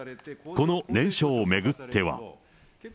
この念書を巡っては。